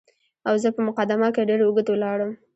او زه په مقدمه کې ډېر اوږد ولاړم.